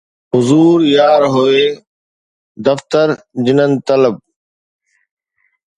حضور يار هوئي دفتر جنن طلب